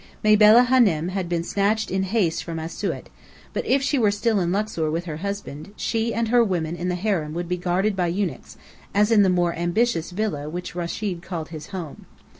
Mabella Hânem had been snatched in haste from Asiut, but if she were still in Luxor with her husband, she and her women in the harem would be guarded by eunuchs, as in the more ambitious villa which Rechid called his home.